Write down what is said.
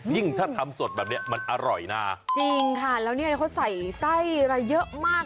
ยิ่งถ้าทำสดแบบเนี้ยมันอร่อยนะจริงค่ะแล้วเนี่ยเขาใส่ไส้อะไรเยอะมาก